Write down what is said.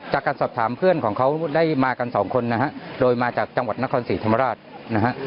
จากการสอบถามเพื่อนของเขาได้มากันสองคนนะฮะโดยมาจากจังหวัดนครศรีธรรมราชนะฮะ